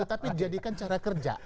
tetapi dijadikan cara kerja